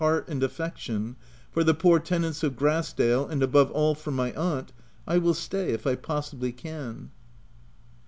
7$ heart and affection, for the poor tenants of Grass dale, and above all for my aunt—I will stay if I possibly can.